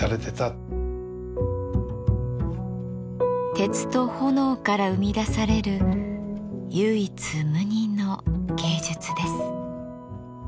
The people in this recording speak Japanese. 鉄と炎から生み出される唯一無二の芸術です。